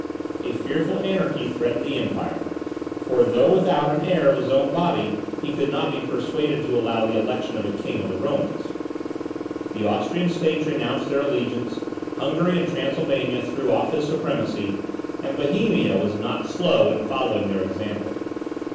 A fearful anarchy threatened the Empire, for though without an heir of his own body, he could not be persuaded to allow the election of a King of the Romans. The Austrian States renounced their allegiance, Hungary and Transylvania threw off his supremacy, and Bohemia was not slow in following their example.